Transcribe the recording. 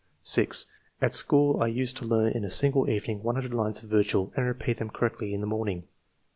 6. " At school I used to learn in a single evening 100 lines of Virgil, and repeat them correctly in the morning.